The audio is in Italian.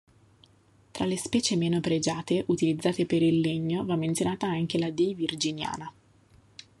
Tra le specie meno pregiate utilizzate per il legno va menzionata anche "D. virginiana".